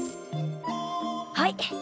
はい！